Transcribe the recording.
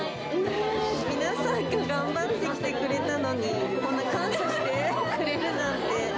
皆さんが頑張ってきてくれたのに、こんな感謝してくれるなんて。